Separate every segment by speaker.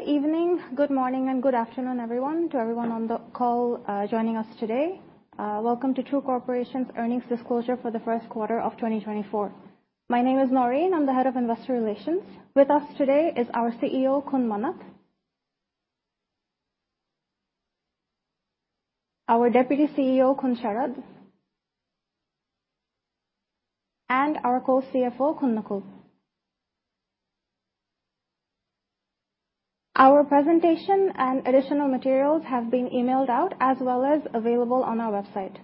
Speaker 1: Good evening, good morning, and good afternoon, everyone, to everyone on the call, joining us today. Welcome to True Corporation's earnings disclosure for the first quarter of 2024. My name is Naureen. I'm the Head of Investor Relations. With us today is our CEO, Khun Manat, our Deputy CEO, Khun Sharad, and our Co-CFO, Khun Nakul. Our presentation and additional materials have been emailed out, as well as available on our website.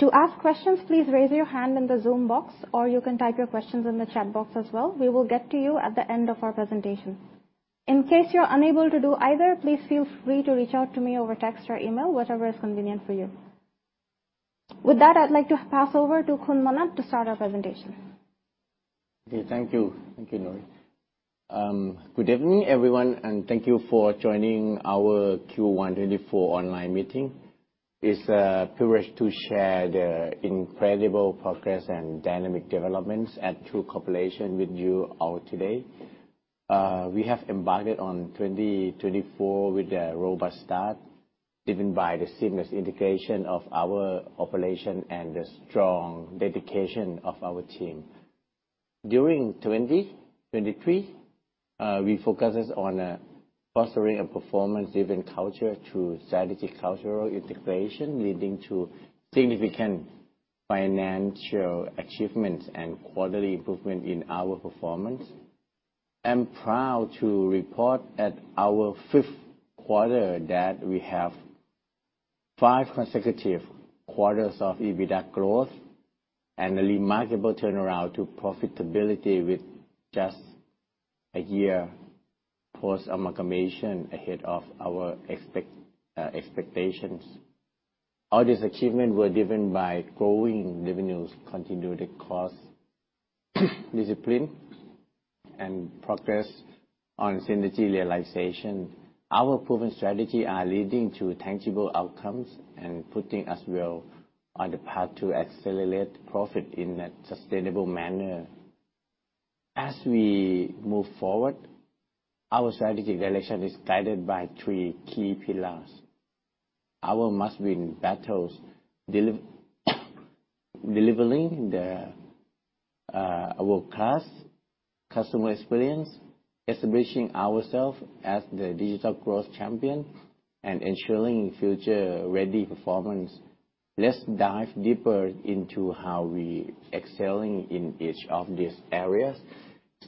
Speaker 1: To ask questions, please raise your hand in the Zoom box, or you can type your questions in the chat box as well. We will get to you at the end of our presentation. In case you're unable to do either, please feel free to reach out to me over text or email, whatever is convenient for you. With that, I'd like to pass over to Khun Manat to start our presentation.
Speaker 2: Okay, thank you. Thank you, Naureen. Good evening, everyone, and thank you for joining our Q1 2024 online meeting. It's a privilege to share the incredible progress and dynamic developments at True Corporation with you all today. We have embarked on 2024 with a robust start, driven by the seamless integration of our operation and the strong dedication of our team. During 2023, we focuses on fostering a performance-driven culture through strategic cultural integration, leading to significant financial achievements and quality improvement in our performance. I'm proud to report at our fifth quarter that we have five consecutive quarters of EBITDA growth and a remarkable turnaround to profitability with just a year post-amalgamation ahead of our expectations. All these achievement were driven by growing revenues, continued cost discipline, and progress on synergy realization. Our proven strategy are leading to tangible outcomes and putting us well on the path to accelerate profit in a sustainable manner. As we move forward, our strategic direction is guided by three key pillars. Our must-win battles, delivering the world-class customer experience, establishing ourselves as the digital growth champion, and ensuring future-ready performance. Let's dive deeper into how we excelling in each of these areas,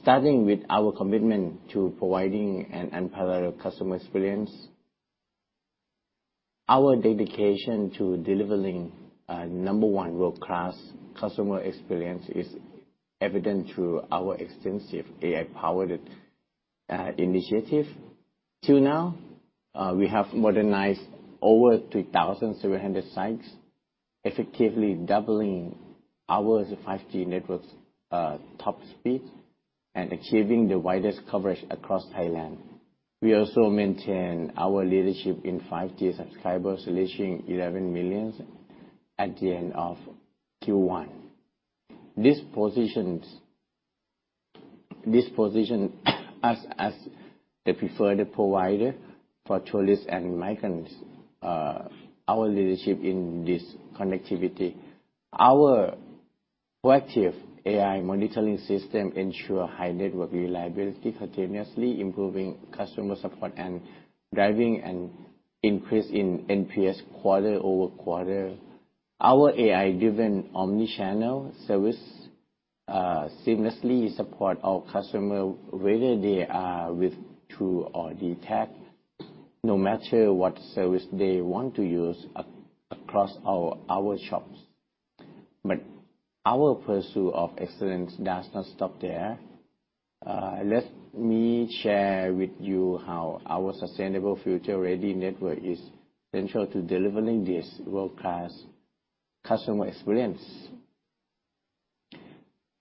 Speaker 2: starting with our commitment to providing an unparalleled customer experience. Our dedication to delivering a number one world-class customer experience is evident through our extensive AI-powered initiative. Till now, we have modernized over 3,700 sites, effectively doubling our 5G network's top speed and achieving the widest coverage across Thailand. We also maintain our leadership in 5G subscribers, reaching 11 million at the end of Q1. This positions us as the preferred provider for tourists and migrants, our leadership in this connectivity. Our proactive AI monitoring system ensure high network reliability, continuously improving customer support and driving an increase in NPS quarter-over-quarter. Our AI-driven omni-channel service seamlessly support our customer, whether they are with True or dtac, no matter what service they want to use across our shops. But our pursuit of excellence does not stop there. Let me share with you how our sustainable future-ready network is central to delivering this world-class customer experience.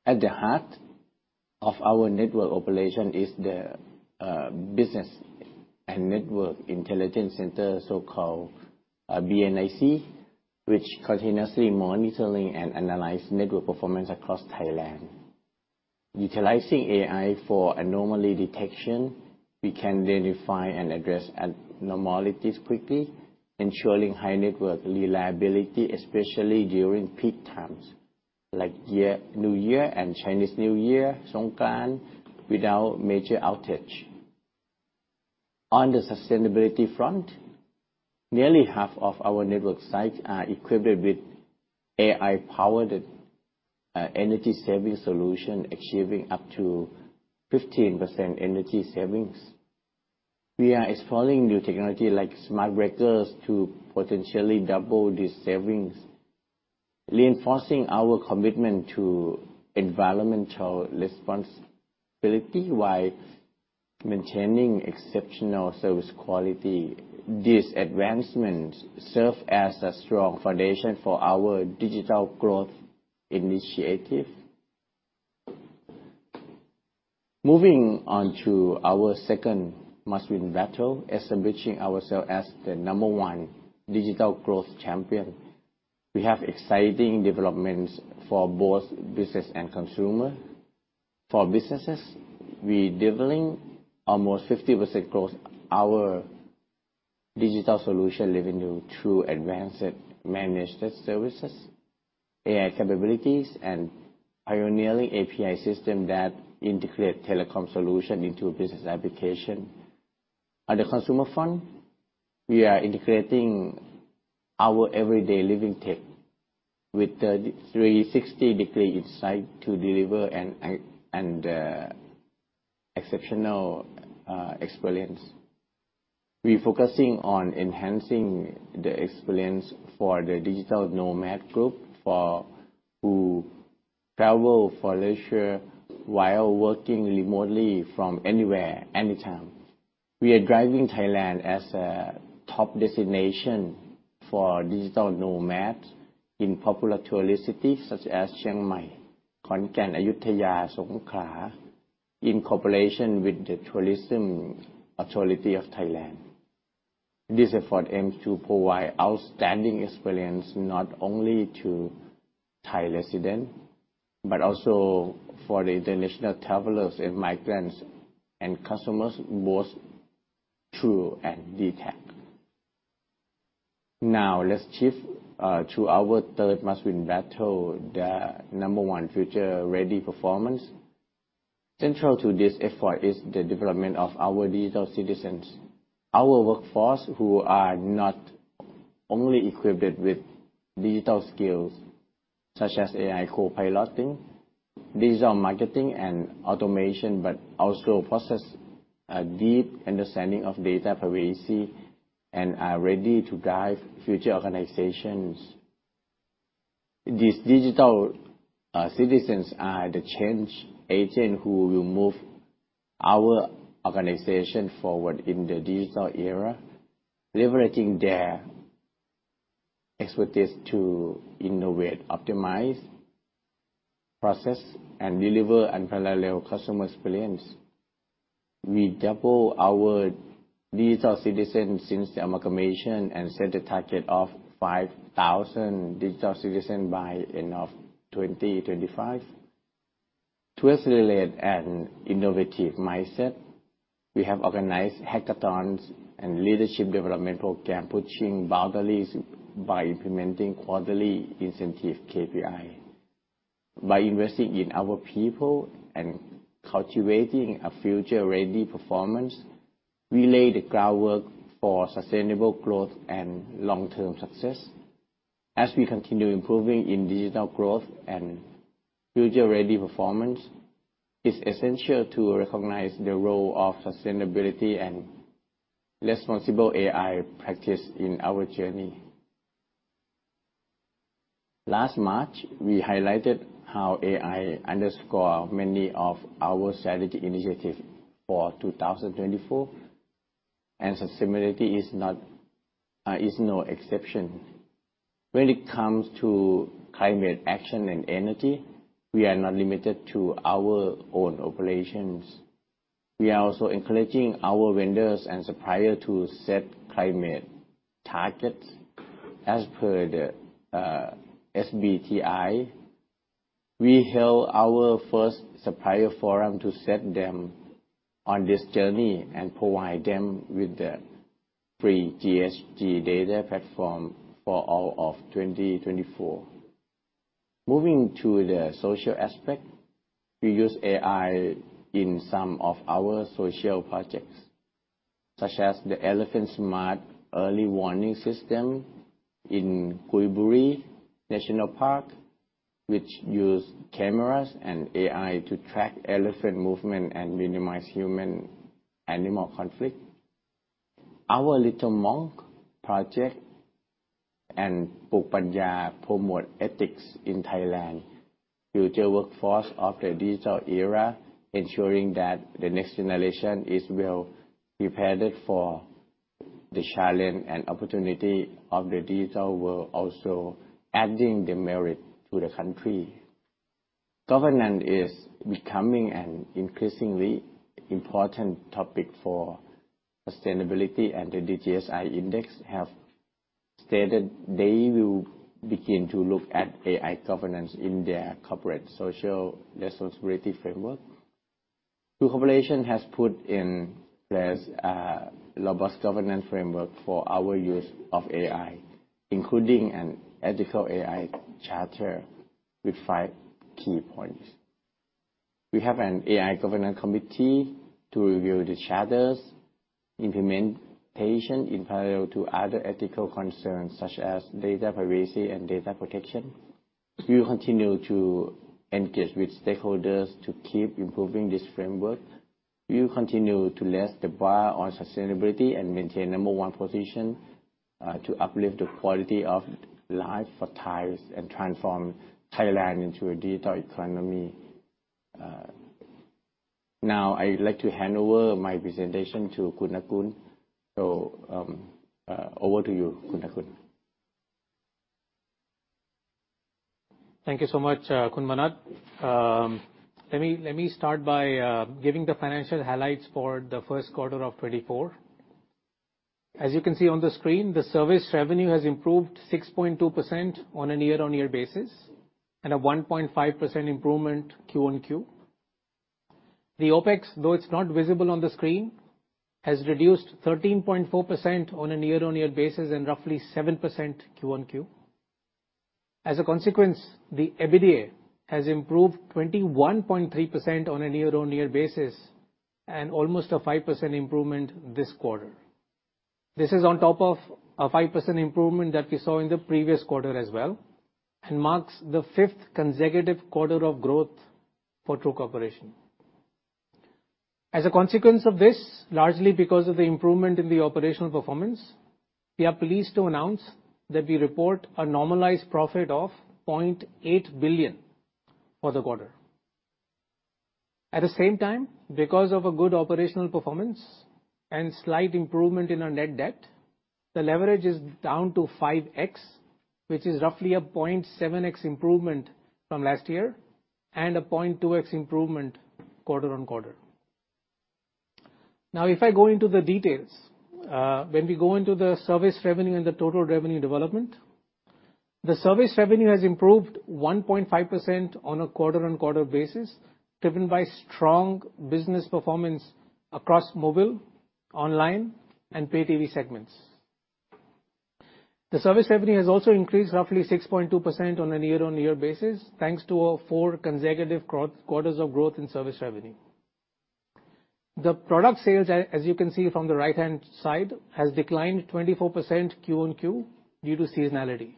Speaker 2: At the heart of our network operation is the Business and Network Intelligence Center, so-called BNIC, which continuously monitoring and analyze network performance across Thailand. Utilizing AI for anomaly detection, we can then identify and address abnormalities quickly, ensuring high network reliability, especially during peak times, like year, New Year and Chinese New Year, Songkran, without major outage. On the sustainability front, nearly half of our network sites are equipped with AI-powered energy-saving solution, achieving up to 15% energy savings. We are exploring new technology like smart breakers to potentially double these savings, reinforcing our commitment to environmental responsibility while maintaining exceptional service quality. These advancements serve as a strong foundation for our digital growth initiative. Moving on to our second must-win battle, establishing ourselves as the number one digital growth champion. We have exciting developments for both business and consumer. For businesses, we doubling almost 50% growth our digital solution revenue through advanced managed services, AI capabilities, and pioneering API system that integrate telecom solution into business application. On the consumer front, we are integrating our everyday living tech with 360-degree insight to deliver an exceptional experience. We're focusing on enhancing the experience for the digital nomad group who travel for leisure while working remotely from anywhere, anytime. We are driving Thailand as a top destination for digital nomads in popular tourist cities such as Chiang Mai, Khon Kaen, Ayutthaya, Songkhla, in cooperation with the Tourism Authority of Thailand. This effort aims to provide outstanding experience, not only to Thai residents, but also for the international travelers and migrants and customers, both True and dtac. Now, let's shift to our third must-win battle, the number one future-ready performance. Central to this effort is the development of our digital citizens, our workforce who are not only equipped with digital skills such as AI co-piloting, digital marketing, and automation, but also possess a deep understanding of data privacy and are ready to drive future organizations. These digital citizens are the change agent who will move our organization forward in the digital era, leveraging their expertise to innovate, optimize, process, and deliver unparalleled customer experience. We double our digital citizens since the amalgamation and set a target of 5,000 digital citizen by end of 2025. To facilitate an innovative mindset, we have organized hackathons and leadership development program, pushing boundaries by implementing quarterly incentive KPI. By investing in our people and cultivating a future-ready performance, we lay the groundwork for sustainable growth and long-term success. As we continue improving in digital growth and future-ready performance, it's essential to recognize the role of sustainability and responsible AI practice in our journey. Last March, we highlighted how AI underscore many of our strategy initiative for 2024, and sustainability is no exception. When it comes to climate action and energy, we are not limited to our own operations. We are also encouraging our vendors and suppliers to set climate targets as per the SBTi. We held our first supplier forum to set them on this journey and provide them with the free GHG data platform for all of 2024. Moving to the social aspect, we use AI in some of our social projects, such as the Elephant Smart Early Warning System in Kui Buri National Park, which use cameras and AI to track elephant movement and minimize human-animal conflict. Our Little Monk project and Plookpanya promote ethics in Thailand. Future workforce of the digital era, ensuring that the next generation is well prepared for the challenge and opportunity of the digital world, also adding the merit to the country. Governance is becoming an increasingly important topic for sustainability, and the DJSI Index have stated they will begin to look at AI governance in their corporate social responsibility framework. True Corporation has put in place a robust governance framework for our use of AI, including an ethical AI charter with five key points. We have an AI governance committee to review the charter's implementation in parallel to other ethical concerns, such as data privacy and data protection. We will continue to engage with stakeholders to keep improving this framework. We will continue to raise the bar on sustainability and maintain number one position to uplift the quality of life for Thais and transform Thailand into a digital economy. Now, I'd like to hand over my presentation to Khun Nakul. So, over to you, Khun Nakul.
Speaker 3: Thank you so much, Khun Manat. Let me start by giving the financial highlights for the first quarter of 2024. As you can see on the screen, the service revenue has improved 6.2% on a year-over-year basis, and a 1.5% improvement QoQ. The OpEx, though it's not visible on the screen, has reduced 13.4% on a year-over-year basis, and roughly 7% QoQ. As a consequence, the EBITDA has improved 21.3% on a year-over-year basis, and almost a 5% improvement this quarter. This is on top of a 5% improvement that we saw in the previous quarter as well, and marks the fifth consecutive quarter of growth for True Corporation. As a consequence of this, largely because of the improvement in the operational performance, we are pleased to announce that we report a normalized profit of 0.8 billion for the quarter. At the same time, because of a good operational performance and slight improvement in our net debt, the leverage is down to 5x, which is roughly a 0.7x improvement from last year, and a 0.2x improvement quarter-on-quarter. Now, if I go into the details, when we go into the service revenue and the total revenue development, the service revenue has improved 1.5% on a quarter-on-quarter basis, driven by strong business performance across mobile, online, and PayTV segments. The service revenue has also increased roughly 6.2% on a year-on-year basis, thanks to our four consecutive quarters of growth in service revenue. The product sales, as you can see from the right-hand side, has declined 24% QoQ due to seasonality.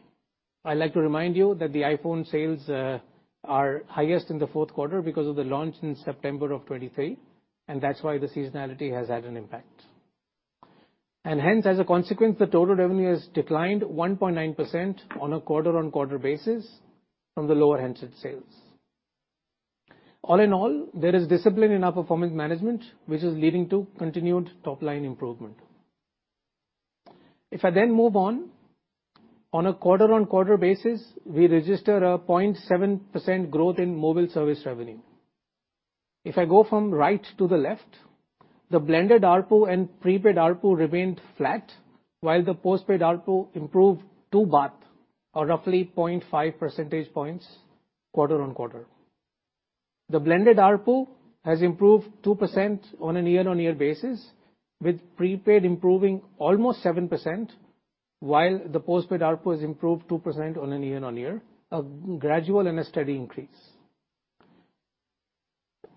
Speaker 3: I'd like to remind you that the iPhone sales are highest in the fourth quarter because of the launch in September of 2023, and that's why the seasonality has had an impact. Hence, as a consequence, the total revenue has declined 1.9% on a quarter-on-quarter basis from the lower handset sales. All in all, there is discipline in our performance management, which is leading to continued top-line improvement. If I then move on, on a quarter-on-quarter basis, we register a 0.7% growth in mobile service revenue. If I go from right to the left, the blended ARPU and prepaid ARPU remained flat, while the postpaid ARPU improved 2 billion baht, or roughly 0.5 percentage points, quarter-on-quarter. The blended ARPU has improved 2% on a year-on-year basis, with prepaid improving almost 7%, while the postpaid ARPU has improved 2% on a year-on-year, a gradual and a steady increase.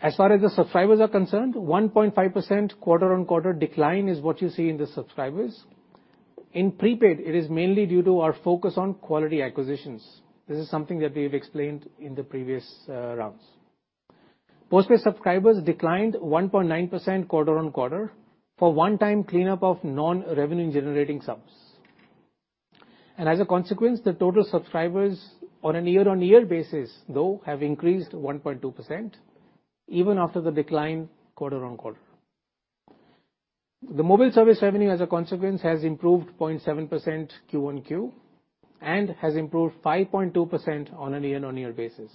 Speaker 3: As far as the subscribers are concerned, 1.5% quarter-on-quarter decline is what you see in the subscribers. In prepaid, it is mainly due to our focus on quality acquisitions. This is something that we've explained in the previous rounds. Postpaid subscribers declined 1.9% quarter-on-quarter for one-time cleanup of non-revenue-generating subs. As a consequence, the total subscribers on a year-on-year basis, though, have increased 1.2%, even after the decline quarter-on-quarter. The mobile service revenue, as a consequence, has improved 0.7% QoQ, and has improved 5.2% on a year-on-year basis.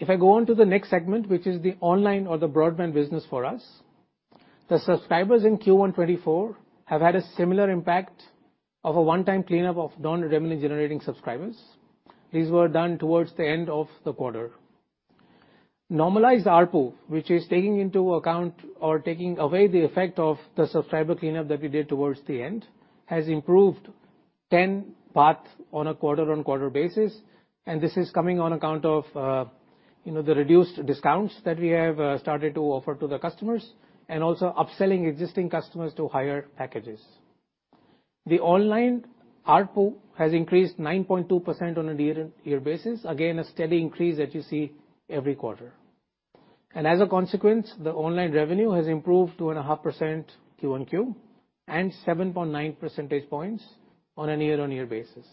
Speaker 3: If I go on to the next segment, which is the online or the broadband business for us, the subscribers in Q1 2024 have had a similar impact of a one-time cleanup of non-revenue-generating subscribers. These were done towards the end of the quarter. Normalized ARPU, which is taking into account or taking away the effect of the subscriber cleanup that we did towards the end, has improved 10 million on a quarter-on-quarter basis, and this is coming on account of, you know, the reduced discounts that we have started to offer to the customers, and also upselling existing customers to higher packages. The online ARPU has increased 9.2% on a year-on-year basis, again, a steady increase that you see every quarter. As a consequence, the online revenue has improved 2.5% QoQ, and 7.9 percentage points on a year-on-year basis.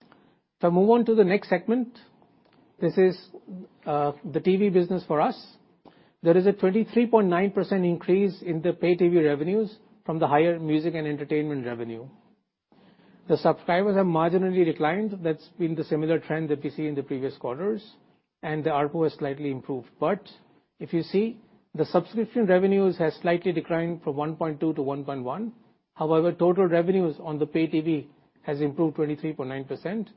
Speaker 3: If I move on to the next segment, this is the TV business for us. There is a 23.9% increase in the PayTV revenues from the higher music and entertainment revenue. The subscribers have marginally declined. That's been the similar trend that we see in the previous quarters, and the ARPU has slightly improved. But if you see, the subscription revenues has slightly declined from 1.2% to 1.1%. However, total revenues on the PayTV has improved 23.9%,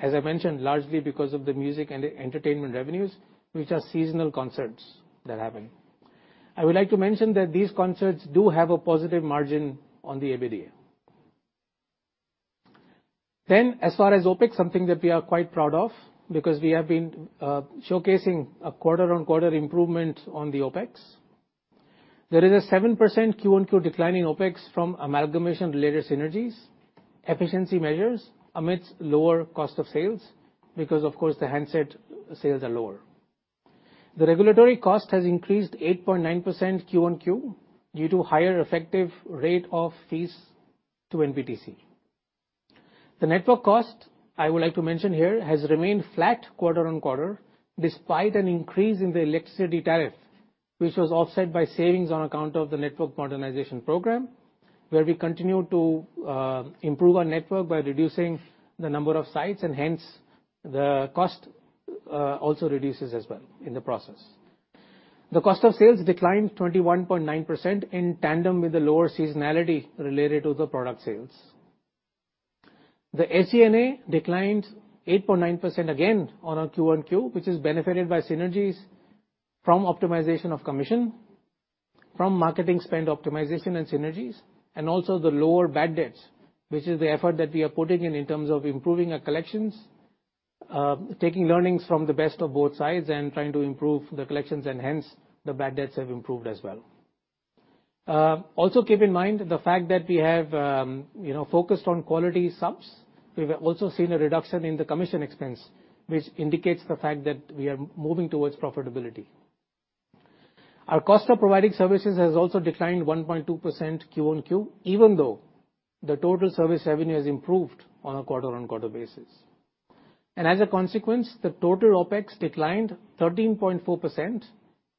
Speaker 3: as I mentioned, largely because of the music and entertainment revenues, which are seasonal concerts that happen. I would like to mention that these concerts do have a positive margin on the EBITDA. Then, as far as OpEx, something that we are quite proud of, because we have been showcasing a quarter-on-quarter improvement on the OpEx. There is a 7% QoQ decline in OpEx from amalgamation-related synergies, efficiency measures amidst lower cost of sales, because of course the handset sales are lower. The regulatory cost has increased 8.9% QoQ due to higher effective rate of fees to NBTC. The network cost, I would like to mention here, has remained flat quarter-on-quarter, despite an increase in the electricity tariff, which was offset by savings on account of the network modernization program, where we continue to improve our network by reducing the number of sites, and hence, the cost also reduces as well in the process. The cost of sales declined 21.9% in tandem with the lower seasonality related to the product sales. The ARPU declined 8.9% again on our QoQ, which is benefited by synergies from optimization of commission, from marketing spend optimization and synergies, and also the lower bad debts, which is the effort that we are putting in, in terms of improving our collections. Taking learnings from the best of both sides and trying to improve the collections, and hence, the bad debts have improved as well. Also keep in mind the fact that we have, you know, focused on quality subs. We've also seen a reduction in the commission expense, which indicates the fact that we are moving towards profitability. Our cost of providing services has also declined 1.2% QoQ, even though the total service revenue has improved on a quarter-on-quarter basis. As a consequence, the total OpEx declined 13.4%,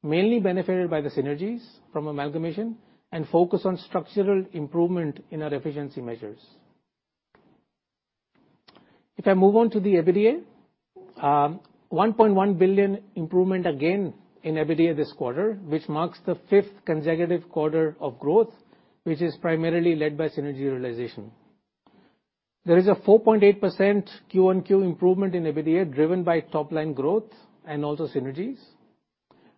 Speaker 3: mainly benefited by the synergies from amalgamation and focus on structural improvement in our efficiency measures. If I move on to the EBITDA, 1.1 billion improvement again in EBITDA this quarter, which marks the fifth consecutive quarter of growth, which is primarily led by synergy realization. There is a 4.8% QoQ improvement in EBITDA, driven by top line growth and also synergies.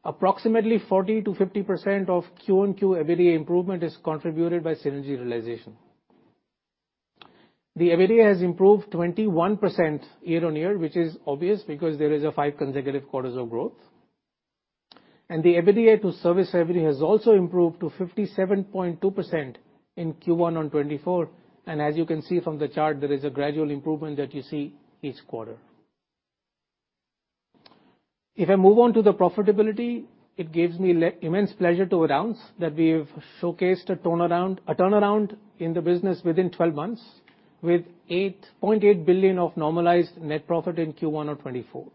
Speaker 3: Approximately 40%-50% of QoQ EBITDA improvement is contributed by synergy realization. The EBITDA has improved 21% year-on-year, which is obvious because there is a five consecutive quarters of growth. And the EBITDA to service revenue has also improved to 57.2% in Q1 2024, and as you can see from the chart, there is a gradual improvement that you see each quarter. If I move on to the profitability, it gives me immense pleasure to announce that we have showcased a turnaround, a turnaround in the business within 12 months, with 8.8 billion of normalized net profit in Q1 of 2024.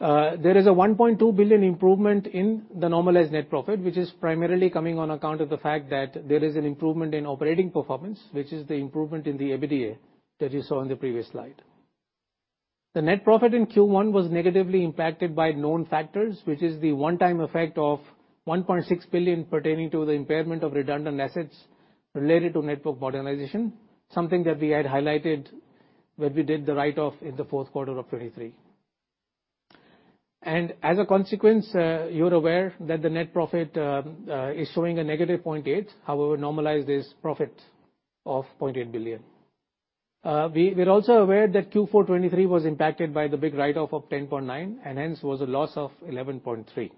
Speaker 3: There is a 1.2 billion improvement in the normalized net profit, which is primarily coming on account of the fact that there is an improvement in operating performance, which is the improvement in the EBITDA that you saw in the previous slide. The net profit in Q1 was negatively impacted by known factors, which is the one-time effect of 1.6 billion pertaining to the impairment of redundant assets related to network modernization, something that we had highlighted when we did the write-off in the fourth quarter of 2023. As a consequence, you're aware that the net profit is showing a -0.8 billion, however, normalized this profit of 0.8 billion. We're also aware that Q4 2023 was impacted by the big write-off of 10.9 billion, and hence, was a loss of 11.3 billion.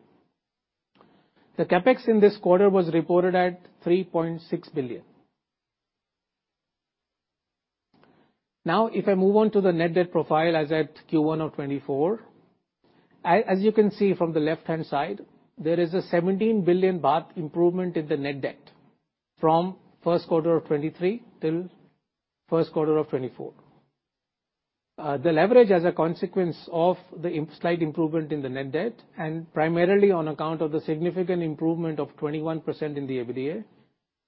Speaker 3: The CapEx in this quarter was reported at 3.6 billion. Now, if I move on to the net debt profile, as at Q1 of 2024, as you can see from the left-hand side, there is a 17 billion baht improvement in the net debt from first quarter of 2023 till first quarter of 2024. The leverage as a consequence of the slight improvement in the net debt, and primarily on account of the significant improvement of 21% in the EBITDA,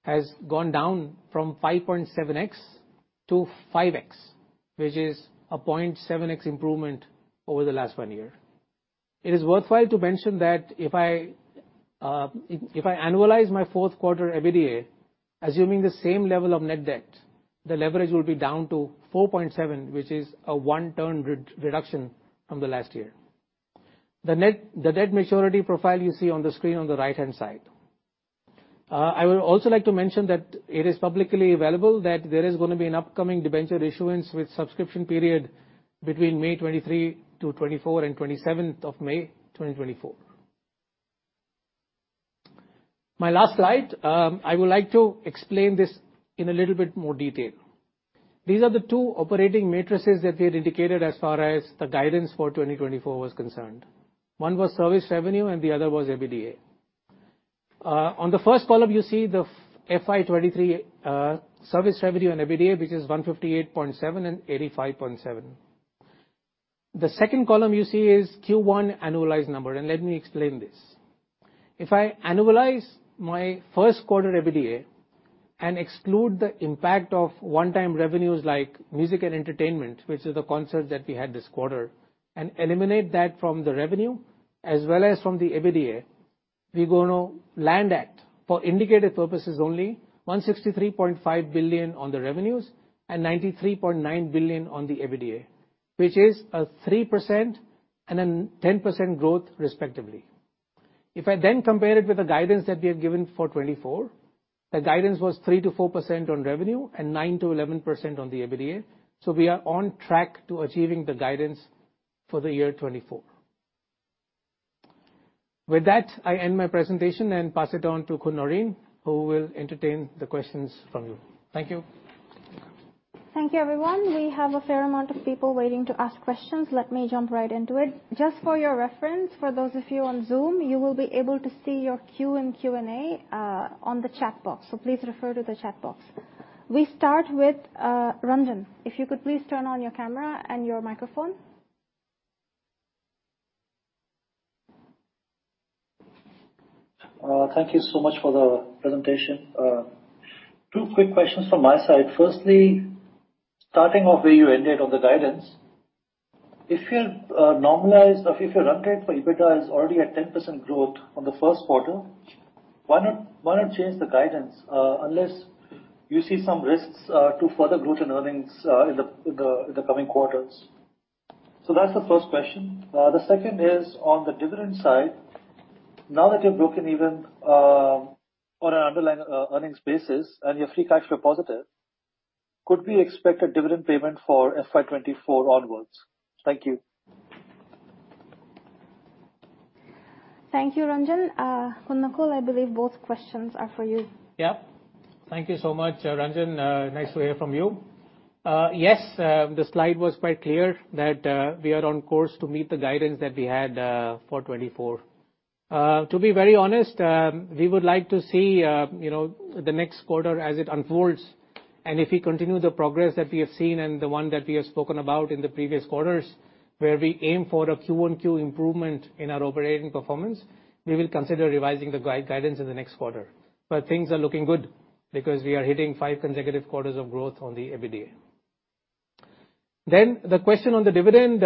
Speaker 3: has gone down from 5.7x to 5x, which is a 0.7x improvement over the last one year. It is worthwhile to mention that if I annualize my fourth quarter EBITDA, assuming the same level of net debt, the leverage will be down to 4.7x, which is a one turn reduction from the last year. The debt maturity profile you see on the screen on the right-hand side. I would also like to mention that it is publicly available, that there is gonna be an upcoming debenture issuance with subscription period between May 23-24 and 27th of May 2024. My last slide, I would like to explain this in a little bit more detail. These are the two operating matrices that we had indicated as far as the guidance for 2024 was concerned. One was service revenue, and the other was EBITDA. On the first column, you see the FY 2023 service revenue and EBITDA, which is 158.7 and 85.7. The second column you see is Q1 annualized number, and let me explain this. If I annualize my first quarter EBITDA and exclude the impact of one-time revenues like music and entertainment, which is the concert that we had this quarter, and eliminate that from the revenue as well as from the EBITDA, we're going to land at, for indicative purposes only, 163.5 billion on the revenues and 93.9 billion on the EBITDA, which is a 3% and a 10% growth, respectively. If I then compare it with the guidance that we have given for 2024, the guidance was 3%-4% on revenue and 9%-11% on the EBITDA, so we are on track to achieving the guidance for the year 2024. With that, I end my presentation and pass it on to Khun Naureen, who will entertain the questions from you. Thank you.
Speaker 1: Thank you, everyone. We have a fair amount of people waiting to ask questions. Let me jump right into it. Just for your reference, for those of you on Zoom, you will be able to see your Q and Q&A on the chat box, so please refer to the chat box. We start with Ranjan. If you could please turn on your camera and your microphone?
Speaker 4: Thank you so much for the presentation. Two quick questions from my side. Firstly, starting off where you ended on the guidance, if you normalized or if your run rate for EBITDA is already at 10% growth on the first quarter, why not, why not change the guidance, unless you see some risks to further growth and earnings in the coming quarters? So that's the first question. The second is on the dividend side. Now, that you've broken even on an underlying earnings basis and your free cash flow positive, could we expect a dividend payment for FY 2024 onwards? Thank you.
Speaker 1: Thank you, Ranjan. Khun Nakul, I believe both questions are for you.
Speaker 3: Yeah. Thank you so much, Ranjan. Nice to hear from you. Yes, the slide was quite clear that we are on course to meet the guidance that we had for 2024. To be very honest, we would like to see, you know, the next quarter as it unfolds. And if we continue the progress that we have seen and the one that we have spoken about in the previous quarters, where we aim for a QoQ improvement in our operating performance, we will consider revising the guidance in the next quarter. But things are looking good because we are hitting five consecutive quarters of growth on the EBITDA. Then the question on the dividend,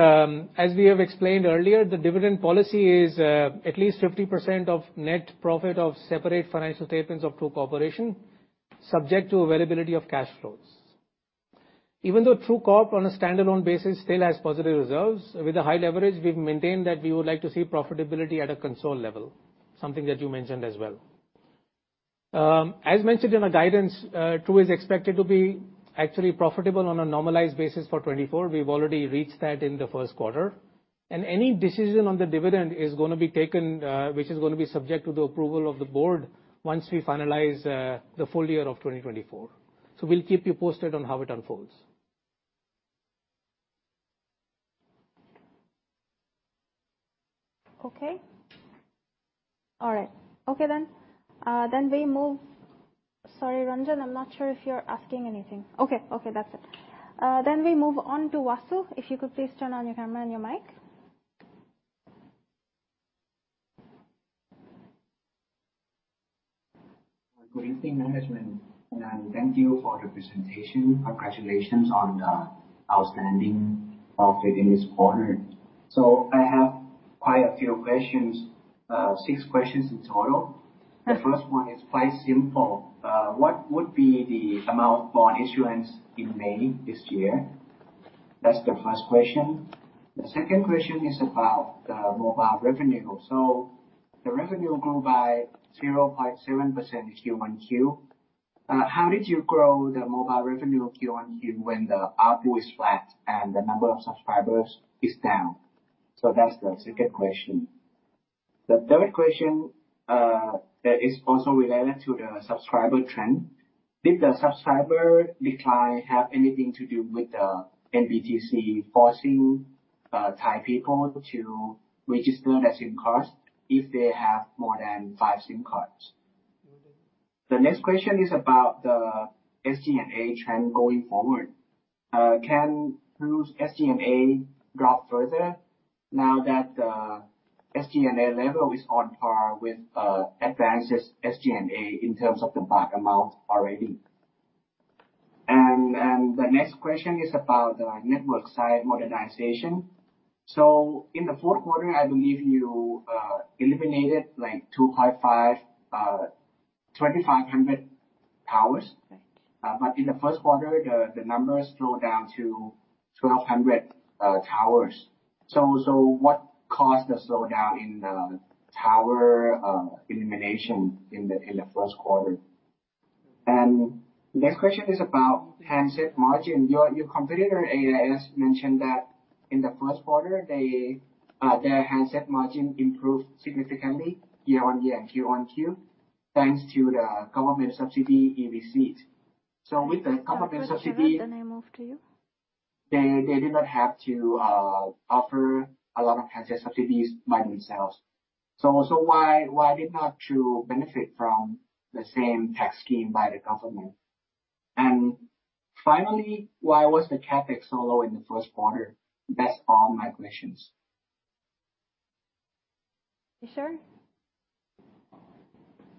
Speaker 3: as we have explained earlier, the dividend policy is at least 50% of net profit of separate financial statements of True Corporation, subject to availability of cash flows. Even though True Corp on a standalone basis still has positive reserves, with the high leverage, we've maintained that we would like to see profitability at a consolidated level, something that you mentioned as well. As mentioned in our guidance, True is expected to be actually profitable on a normalized basis for 2024. We've already reached that in the first quarter. And any decision on the dividend is gonna be taken, which is gonna be subject to the approval of the board once we finalize the full year of 2024. So we'll keep you posted on how it unfolds.
Speaker 1: Okay. All right. Okay, then, then we move... Sorry, Ranjan, I'm not sure if you're asking anything. Okay. Okay, that's it. Then we move on to Wasu. If you could please turn on your camera and your mic.
Speaker 5: Good evening, management, and thank you for the presentation. Congratulations on the outstanding profit in this quarter. I have quite a few questions, six questions in total.
Speaker 1: Yeah.
Speaker 5: The first one is quite simple: what would be the amount for issuance in May this year? That's the first question. The second question is about the mobile revenue. So the revenue grew by 0.7% in QoQ. How did you grow the mobile revenue QoQ when the ARPU is flat, and the number of subscribers is down? So that's the second question. The third question, that is also related to the subscriber trend. Did the subscriber decline have anything to do with the NBTC forcing Thai people to register their SIM cards if they have more than five SIM cards? The next question is about the SG&A trend going forward. Can True's SG&A drop further now that the SG&A level is on par with AIS's SG&A in terms of the baht amount already? The next question is about the network site modernization. In the fourth quarter, I believe you eliminated like 2,500 towers. But in the first quarter, the numbers slowed down to 1,200 towers. So what caused the slowdown in the tower elimination in the first quarter? The next question is about handset margin. Your competitor, AIS, mentioned that in the first quarter, their handset margin improved significantly year-over-year and quarter-over-quarter, thanks to the government subsidy it received. So with the government subsidy-
Speaker 1: I move to you.
Speaker 5: They did not have to offer a lot of handset subsidies by themselves. So, why did not you benefit from the same tax scheme by the government? And finally, why was the CapEx so low in the first quarter? That's all my questions.
Speaker 1: You done?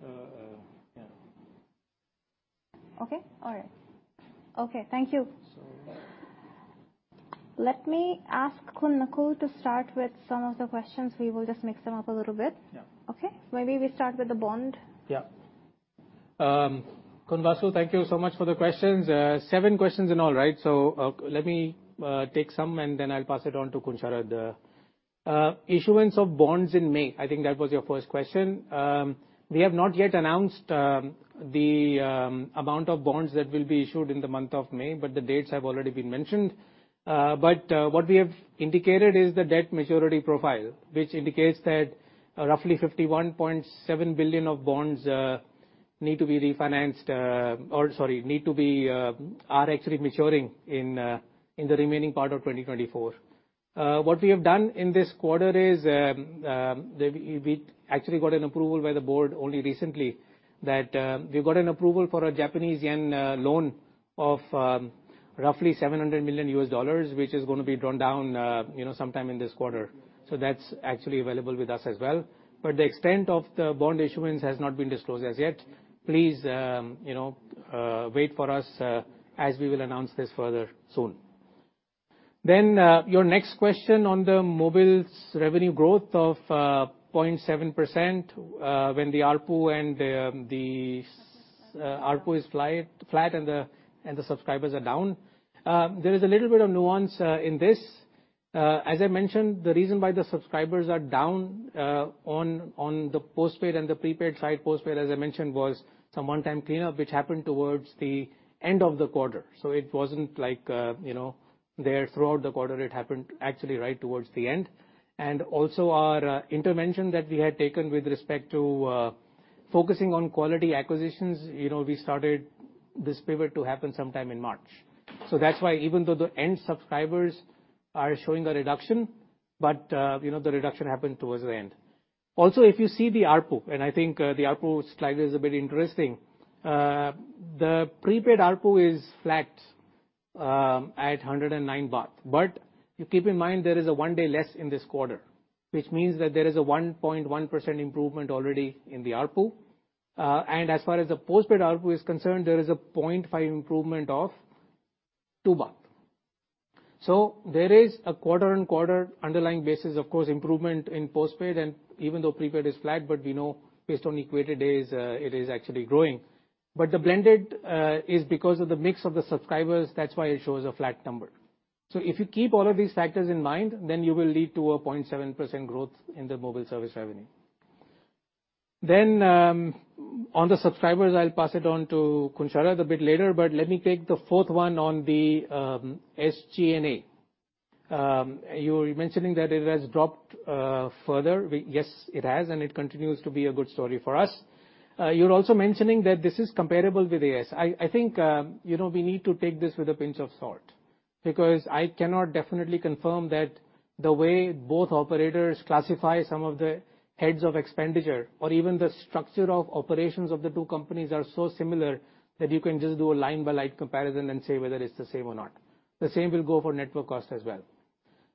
Speaker 5: Yeah.
Speaker 1: Okay. All right. Okay, thank you.
Speaker 4: So-
Speaker 1: Let me ask Khun Nakul to start with some of the questions. We will just mix them up a little bit.
Speaker 3: Yeah.
Speaker 1: Okay. Maybe we start with the bond.
Speaker 3: Yeah. Khun Wasu, thank you so much for the questions. Seven questions in all, right? So, let me take some, and then I'll pass it on to Khun Sharad. Issuance of bonds in May, I think that was your first question. We have not yet announced the amount of bonds that will be issued in the month of May, but the dates have already been mentioned. But what we have indicated is the debt maturity profile, which indicates that roughly 51.7 billion of bonds need to be refinanced, or sorry, need to be, are actually maturing in the remaining part of 2024. What we have done in this quarter is, we actually got an approval by the board only recently, that we got an approval for a Japanese yen loan of roughly $700 million, which is going to be drawn down, you know, sometime in this quarter. So that's actually available with us as well. But the extent of the bond issuance has not been disclosed as yet. Please, you know, wait for us, as we will announce this further soon. Then, your next question on the mobile's revenue growth of 0.7%, when the ARPU and the ARPU is flat, and the subscribers are down. There is a little bit of nuance in this. As I mentioned, the reason why the subscribers are down, on the postpaid and the prepaid side, postpaid, as I mentioned, was some one-time cleanup, which happened towards the end of the quarter, so it wasn't like, you know, there throughout the quarter. It happened actually right towards the end. And also, our intervention that we had taken with respect to, focusing on quality acquisitions, you know, we started this pivot to happen sometime in March. So that's why, even though the end subscribers are showing a reduction, but, you know, the reduction happened towards the end. Also, if you see the ARPU, and I think, the ARPU slide is a bit interesting, the prepaid ARPU is flat, at 109 million baht. But you keep in mind, there is a one day less in this quarter, which means that there is a 1.1% improvement already in the ARPU. And as far as the postpaid ARPU is concerned, there is a 0.5 improvement of 2 billion baht. So there is a quarter-on-quarter underlying basis, of course, improvement in postpaid, and even though prepaid is flat, but we know based on equated days, it is actually growing. But the blended is because of the mix of the subscribers, that's why it shows a flat number. So if you keep all of these factors in mind, then you will lead to a 0.7% growth in the mobile service revenue. Then, on the subscribers, I'll pass it on to Khun Sharad a bit later, but let me take the fourth one on the, SG&A. You were mentioning that it has dropped further. Yes, it has, and it continues to be a good story for us. You're also mentioning that this is comparable with AIS. I think, you know, we need to take this with a pinch of salt, because I cannot definitely confirm that the way both operators classify some of the heads of expenditure or even the structure of operations of the two companies are so similar, that you can just do a line-by-line comparison and say whether it's the same or not. The same will go for network cost as well.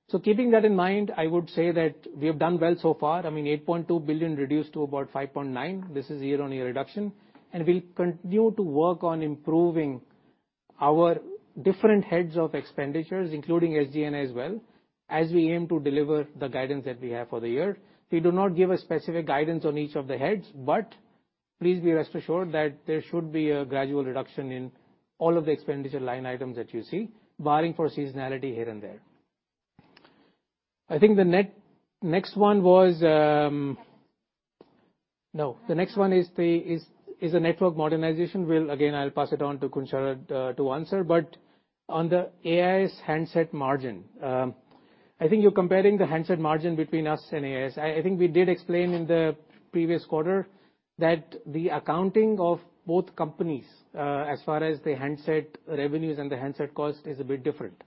Speaker 3: So keeping that in mind, I would say that we have done well so far. I mean, 8.2 billion reduced to about 5.9 billion. This is year-on-year reduction. We'll continue to work on improving our different heads of expenditures, including SG&A as well, as we aim to deliver the guidance that we have for the year. We do not give a specific guidance on each of the heads, but please be rest assured that there should be a gradual reduction in all of the expenditure line items that you see, barring for seasonality here and there. I think the next one was. No, the next one is the network modernization. We'll again, I'll pass it on to Khun Sharad to answer, but on the AIS handset margin, I think you're comparing the handset margin between us and AIS. I think we did explain in the previous quarter that the accounting of both companies, as far as the handset revenues and the handset cost, is a bit different,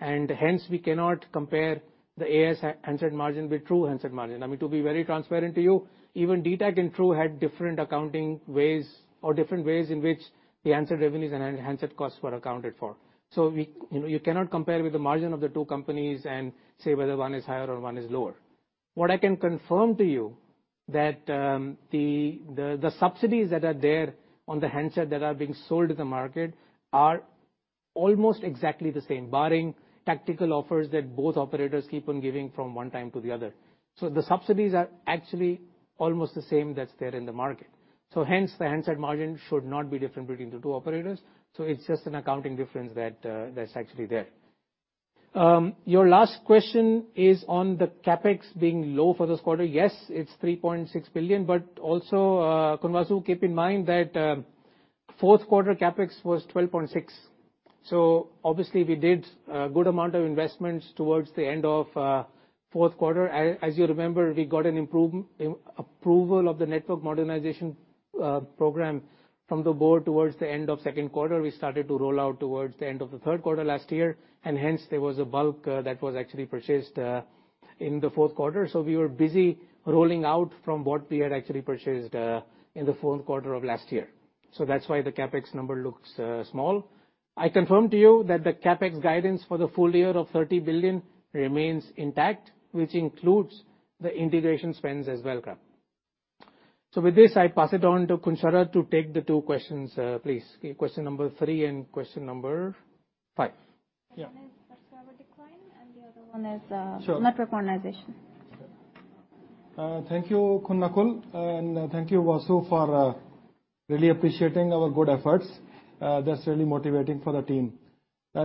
Speaker 3: and hence, we cannot compare the AIS handset margin with True handset margin. I mean, to be very transparent to you, even DTAC and True had different accounting ways or different ways in which the handset revenues and handset costs were accounted for. So we, you know, you cannot compare with the margin of the two companies and say whether one is higher or one is lower. What I can confirm to you that, the subsidies that are there on the handset that are being sold in the market are almost exactly the same, barring tactical offers that both operators keep on giving from one time to the other. So the subsidies are actually almost the same that's there in the market. So hence, the handset margin should not be different between the two operators, so it's just an accounting difference that that's actually there. Your last question is on the CapEx being low for this quarter. Yes, it's 3.6 billion, but also, Khun Wasu, keep in mind that fourth quarter CapEx was 12.6 billion. So obviously, we did a good amount of investments towards the end of fourth quarter. As you remember, we got an approval of the network modernization program from the board towards the end of second quarter. We started to roll out towards the end of the third quarter last year, and hence, there was a bulk that was actually purchased in the fourth quarter. So we were busy rolling out from what we had actually purchased in the fourth quarter of last year. So that's why the CapEx number looks small. I confirm to you that the CapEx guidance for the full year of 30 billion remains intact, which includes the integration spends as well. So with this, I pass it on to Khun Sharad to take the two questions, please. Question number three and question number five. Yeah.
Speaker 1: One is subscriber decline, and the other one is,
Speaker 6: Sure.
Speaker 1: Network organization.
Speaker 6: Thank you, Khun Nakul, and thank you, Wasu, for really appreciating our good efforts. That's really motivating for the team.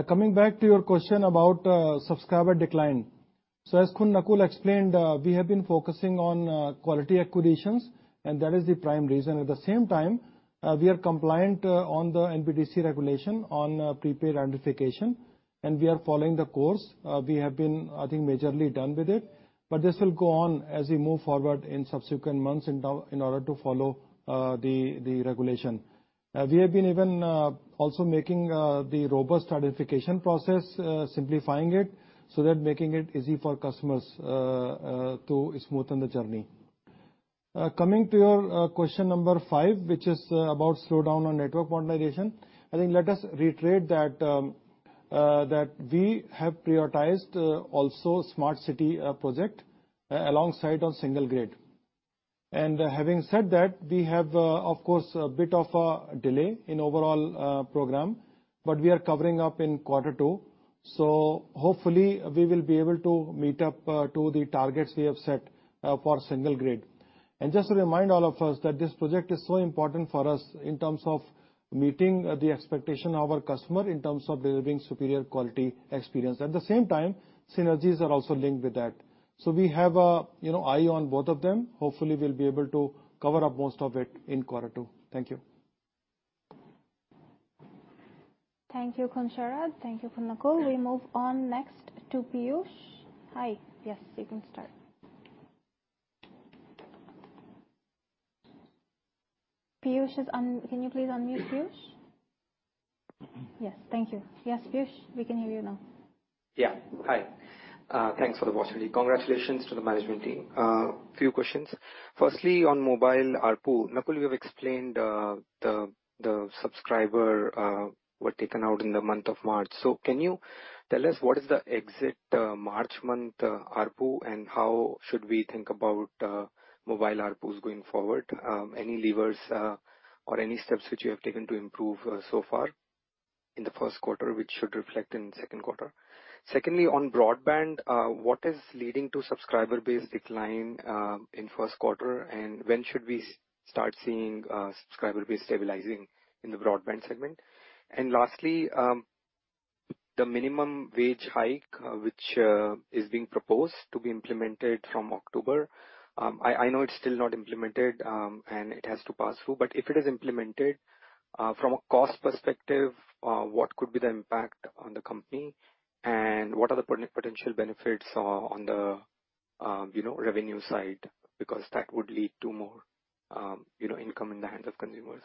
Speaker 6: Coming back to your question about subscriber decline. So as Khun Nakul explained, we have been focusing on quality acquisitions, and that is the prime reason. At the same time, we are compliant on the NBTC regulation on prepaid identification, and we are following the course. We have been, I think, majorly done with it, but this will go on as we move forward in subsequent months in order to follow the regulation. We have been even also making the robust identification process, simplifying it, so that making it easy for customers to smoothen the journey. Coming to your question number five, which is about slowdown on network modernization. I think let us reiterate that that we have prioritized also Smart City project alongside of Single Grid. And having said that, we have of course a bit of a delay in overall program, but we are covering up in quarter two, so hopefully we will be able to meet up to the targets we have set for Single Grid. And just to remind all of us that this project is so important for us in terms of meeting the expectation of our customer, in terms of delivering superior quality experience. At the same time, synergies are also linked with that. So we have a, you know, eye on both of them. Hopefully, we'll be able to cover up most of it in quarter two. Thank you.
Speaker 1: Thank you, Khun Sharad. Thank you, Nakul. We move on next to Piyush. Hi. Yes, you can start. Piyush is un... Can you please unmute, Piyush? Yes, thank you. Yes, Piyush, we can hear you now.
Speaker 7: Yeah. Hi. Thanks for the opportunity. Congratulations to the management team. Few questions. Firstly, on mobile ARPU. Nakul, you have explained the subscriber were taken out in the month of March. So can you tell us what is the exit March month ARPU, and how should we think about mobile ARPUs going forward? Any levers or any steps which you have taken to improve so far in the first quarter, which should reflect in second quarter? Secondly, on broadband, what is leading to subscriber base decline in first quarter? And when should we start seeing subscriber base stabilizing in the broadband segment? And lastly, the minimum wage hike which is being proposed to be implemented from October. I know it's still not implemented, and it has to pass through, but if it is implemented, from a cost perspective, what could be the impact on the company? And what are the potential benefits, on the, you know, revenue side? Because that would lead to more, you know, income in the hands of consumers.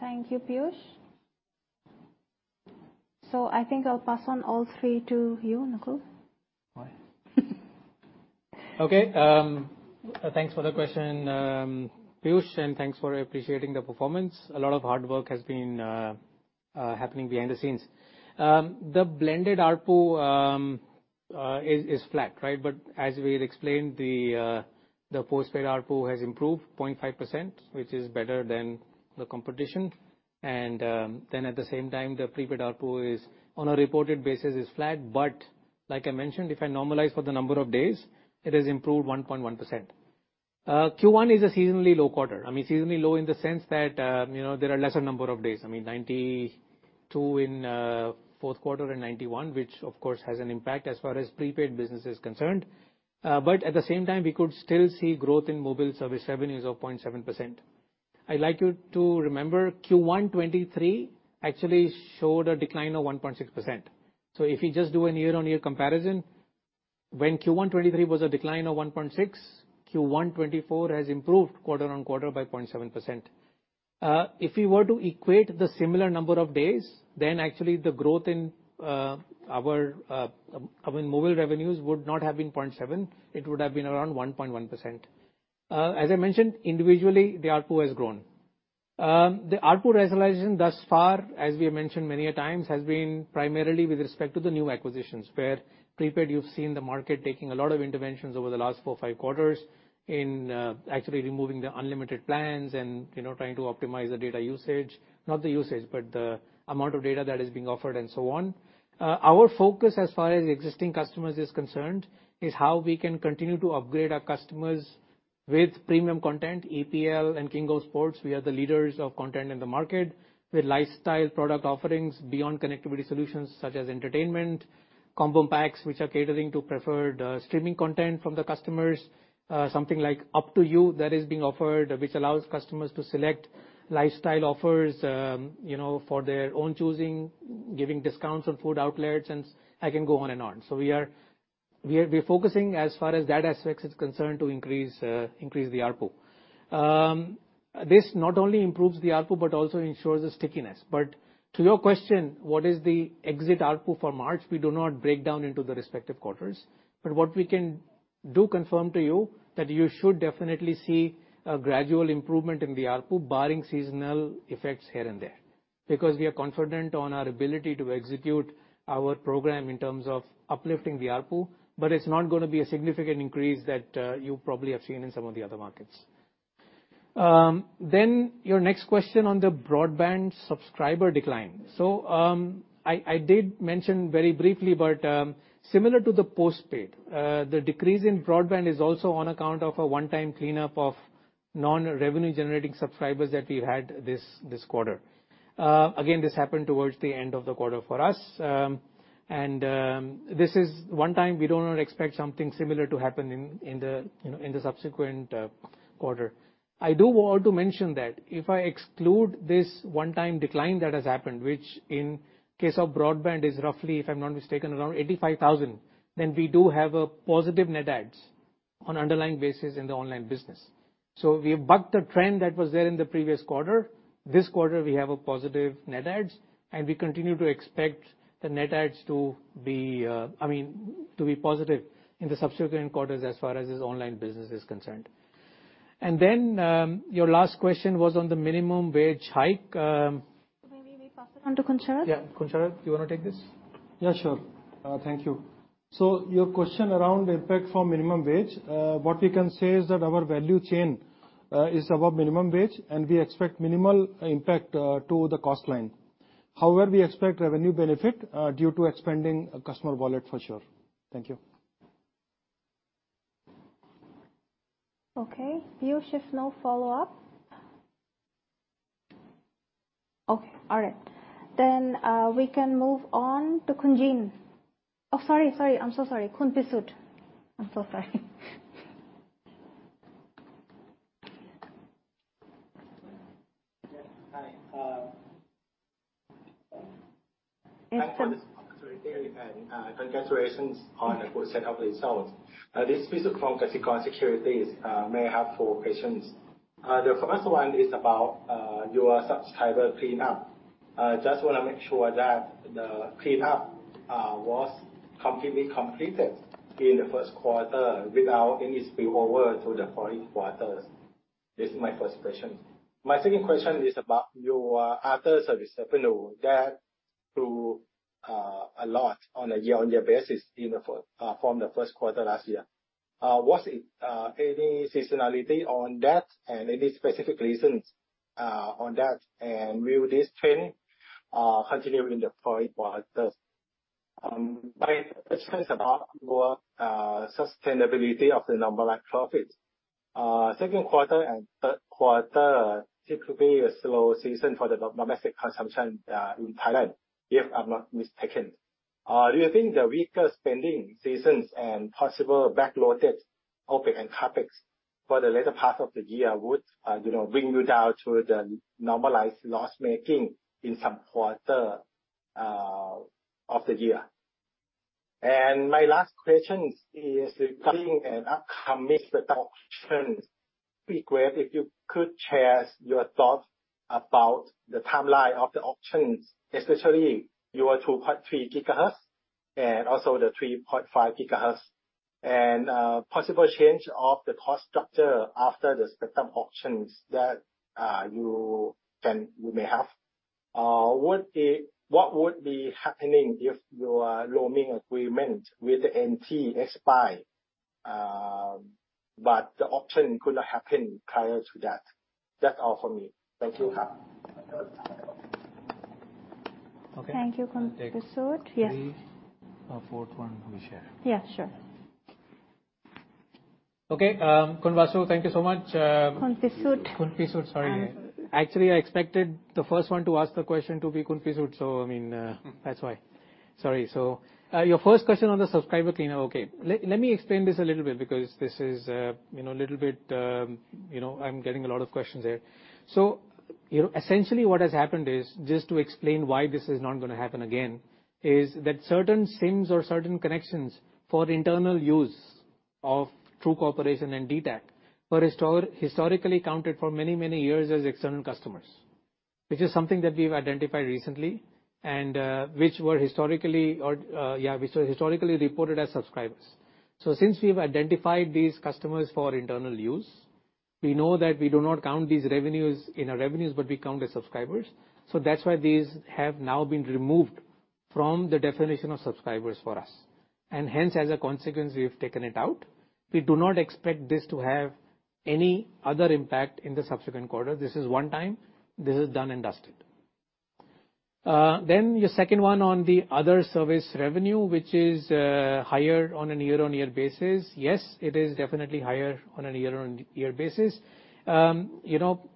Speaker 1: Thank you, Piyush. I think I'll pass on all three to you, Nakul.
Speaker 3: Hi. Okay, thanks for the question, Piyush, and thanks for appreciating the performance. A lot of hard work has been happening behind the scenes. The blended ARPU is flat, right? But as we had explained, the postpaid ARPU has improved 0.5%, which is better than the competition. And then at the same time, the prepaid ARPU, on a reported basis, is flat, but like I mentioned, if I normalize for the number of days, it has improved 1.1%. Q1 is a seasonally low quarter. I mean, seasonally low in the sense that, you know, there are lesser number of days. I mean, 92 in fourth quarter and 91, which, of course, has an impact as far as prepaid business is concerned. But at the same time, we could still see growth in mobile service revenues of 0.7%. I'd like you to remember Q1 2023 actually showed a decline of 1.6%. So if you just do a year-on-year comparison, when Q1 2023 was a decline of 1.6%, Q1 2024 has improved quarter-on-quarter by 0.7%. If we were to equate the similar number of days, then actually the growth in our mobile revenues would not have been 0.7%, it would have been around 1.1%. As I mentioned, individually, the ARPU has grown. The ARPU rationalization thus far, as we have mentioned many a times, has been primarily with respect to the new acquisitions, where prepaid, you've seen the market taking a lot of interventions over the last four-five quarters in actually removing the unlimited plans and, you know, trying to optimize the data usage. Not the usage, but the amount of data that is being offered and so on. Our focus, as far as the existing customers is concerned, is how we can continue to upgrade our customers with premium content, EPL and King of Sports. We are the leaders of content in the market, with lifestyle product offerings beyond connectivity solutions such as entertainment, combo packs, which are catering to preferred streaming content from the customers. Something like Up2U, that is being offered, which allows customers to select lifestyle offers, you know, for their own choosing, giving discounts on food outlets, and I can go on and on. So we're focusing, as far as that aspect is concerned, to increase increase the ARPU. This not only improves the ARPU, but also ensures the stickiness. But to your question, what is the exit ARPU for March? We do not break down into the respective quarters, but what we can do confirm to you, that you should definitely see a gradual improvement in the ARPU, barring seasonal effects here and there. Because we are confident on our ability to execute our program in terms of uplifting the ARPU, but it's not gonna be a significant increase that you probably have seen in some of the other markets. Then, your next question on the broadband subscriber decline. So, I did mention very briefly, but similar to the postpaid, the decrease in broadband is also on account of a one-time cleanup of non-revenue generating subscribers that we've had this quarter. Again, this happened towards the end of the quarter for us. And this is one time. We do not expect something similar to happen in the subsequent quarter. I do want to mention that if I exclude this one time decline that has happened, which in case of broadband is roughly, if I'm not mistaken, around 85,000, then we do have a positive net adds on underlying basis in the online business. So we have bucked the trend that was there in the previous quarter. This quarter, we have a positive net adds, and we continue to expect the net adds to be, I mean, to be positive in the subsequent quarters as far as this online business is concerned. And then, your last question was on the minimum wage hike.
Speaker 1: Maybe we pass it on to Khun Sharad?
Speaker 3: Yeah, Khun Sharad, do you want to take this?
Speaker 6: Yeah, sure. Thank you. So your question around impact for minimum wage, what we can say is that our value chain is above minimum wage, and we expect minimal impact to the cost line. However, we expect revenue benefit due to expanding customer wallet for sure. Thank you.
Speaker 1: Okay. Do you have now follow-up? Okay, all right. Then, we can move on to Khun Jin. Oh, sorry, sorry. I'm so sorry, Pisut. I'm so sorry.
Speaker 8: Yes. Hi,
Speaker 1: Yes, go on.
Speaker 8: Thank you, and, congratulations on a good set of results. This is Pisut from Kasikorn Securities. May I have four questions? The first one is about your subscriber cleanup. Just want to make sure that the cleanup was completely completed in the first quarter without any spillover to the following quarters. This is my first question. My second question is about your other service revenue that grew a lot on a year-on-year basis from the first quarter last year. Was it any seasonality on that and any specific reasons on that, and will this trend continue in the fourth quarter? My question is about your sustainability of the normalized profits. Second quarter and third quarter seem to be a slow season for the domestic consumption in Thailand, if I'm not mistaken. Do you think the weaker spending seasons and possible backloaded OpEx and CapEx for the latter part of the year would, you know, bring you down to the normalized loss-making in some quarter of the year? And my last question is regarding an upcoming spectrum auction. It'd be great if you could share your thoughts about the timeline of the auctions, especially your 2.3 GHz and also the 3.5 GHz, and possible change of the cost structure after the spectrum auctions that you can- you may have. What is - what would be happening if your roaming agreement with NT expire, but the auction could happen prior to that? That's all for me. Thank you, sir.
Speaker 6: Okay.
Speaker 1: Thank you, Khun Pisut. Yes.
Speaker 6: The fourth one, we share.
Speaker 1: Yeah, sure.
Speaker 3: Okay, Pisut, thank you so much.
Speaker 1: Khun Pisut.
Speaker 3: Khun Pisut, sorry. Actually, I expected the first one to ask the question to be Khun Pisut, so, I mean, that's why. Sorry. So, your first question on the subscriber cleanup, okay. Let me explain this a little bit because this is, you know, a little bit, you know, I'm getting a lot of questions there. So, you know, essentially what has happened is, just to explain why this is not gonna happen again, is that certain SIMs or certain connections for internal use of True Corporation and dtac were historically counted for many, many years as external customers, which is something that we've identified recently, and which were historically reported as subscribers. So since we've identified these customers for internal use, we know that we do not count these revenues in our revenues, but we count as subscribers, so that's why these have now been removed from the definition of subscribers for us, and hence, as a consequence, we have taken it out. We do not expect this to have any other impact in the subsequent quarter. This is one time. This is done and dusted. Then your second one on the other service revenue, which is, higher on a year-on-year basis. Yes, it is definitely higher on a year-on-year basis. You know,